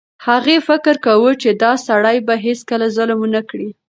هغې فکر کاوه چې دا سړی به هیڅکله ظلم ونه کړي.